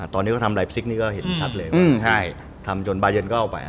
ตอนนี้ก็ทำไลฟ์ซิกซ์นี่ก็เห็นชัดเลยทำจนบายเยินก็เอาไป